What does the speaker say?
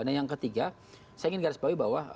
nah yang ketiga saya ingin garis bawahi bahwa